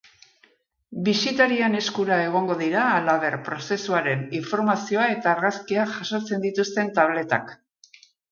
Bisitarien eskura egongo dira halaber prozesuaren informazioa eta argazkiak jasotzen dituzten tabletak.